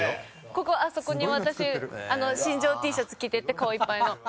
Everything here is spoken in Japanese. あそこに私新庄Ｔシャツ着てて顔いっぱいの。